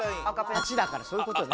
８だからそういう事ね。